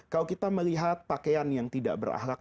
kalau kita melihat pakaian yang tidak berahlak